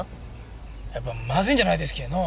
やっぱまずいんじゃないですけぇのぅ？